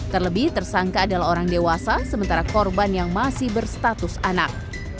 terlebih tersangka adalah orang dewasa sementara korban yang masih berstatus anak